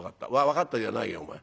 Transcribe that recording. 「分かったじゃないよお前。